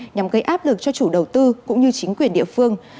nhằm gây áp lực cho chủ đầu tư cũng như chính quyền địa phương